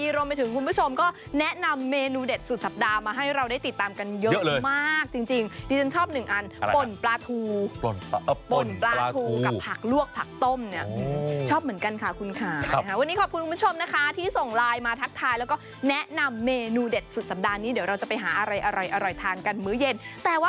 รวมไปถึงคุณผู้ชมก็แนะนำเมนูเด็ดสุดสัปดาห์มาให้เราได้ติดตามกันเยอะมากจริงดิฉันชอบหนึ่งอันป่นปลาทูป่นปลาทูกับผักลวกผักต้มเนี่ยชอบเหมือนกันค่ะคุณค่ะวันนี้ขอบคุณคุณผู้ชมนะคะที่ส่งไลน์มาทักทายแล้วก็แนะนำเมนูเด็ดสุดสัปดาห์นี้เดี๋ยวเราจะไปหาอะไรอร่อยทานกันมื้อเย็นแต่ว่า